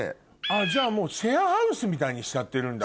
じゃもうシェアハウスみたいにしちゃってるんだ？